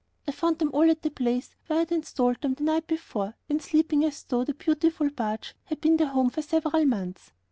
I found them all at the place where I had installed them the night before, and sleeping as though the beautiful barge had been their home for several months.